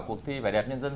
cuộc thi vải đẹp nhân dân